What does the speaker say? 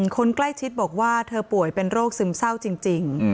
คนใกล้ชิดบอกว่าเธอป่วยเป็นโรคซึมเศร้าจริง